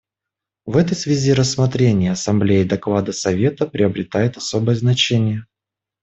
В этой связи рассмотрение Ассамблеей доклада Совета приобретает особое значение.